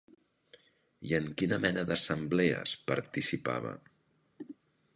I en quina mena d'assemblees participava?